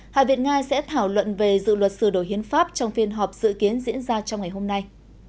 hạ viện nga sẽ thảo luận về dự luật sửa đổi hiến pháp trong phiên họp dự kiến diễn ra trong ngày hôm nay